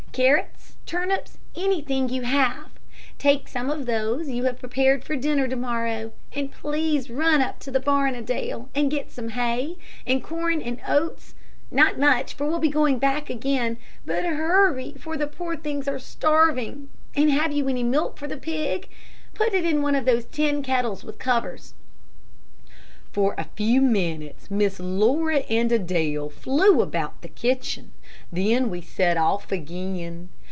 Carrots, turnips, anything you have; take some of those you have prepared for dinner tomorrow, and please run up to the barn, Adele, and get some hay, and corn, and oats, not much, for we'll be going back again; but hurry, for the poor things are starving, and have you any milk for the pig? Put it in one of those tin kettles with covers." For a few minutes, Miss Laura and Adele flew about the kitchen, then we set off again.